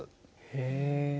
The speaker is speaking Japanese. へえ。